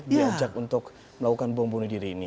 diajak untuk melakukan bom bunuh diri ini